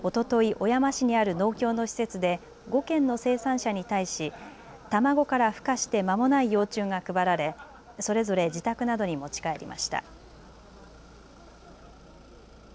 小山市にある農協の施設で５軒の生産者に対し卵からふ化してまもない幼虫が配られそれぞれ自宅などに持ち帰りました。